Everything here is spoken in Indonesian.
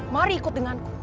mari ikut denganku